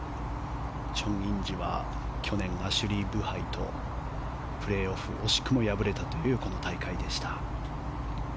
チョン・インジは去年、アシュリー・ブハイとプレーオフで惜しくも敗れたという大会でした。